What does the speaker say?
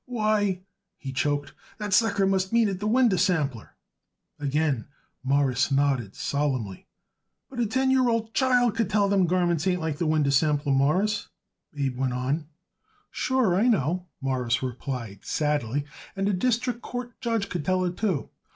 "Why," he choked, "that sucker must mean it the winder sample." Again Morris nodded solemnly. "But a ten year old child could tell that them garments ain't like that winder sample, Mawruss," Abe went on. "Sure I know," Morris replied sadly, "and a district court judge could tell it, too.